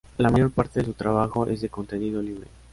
La mayor parte de su trabajo es de contenido libre.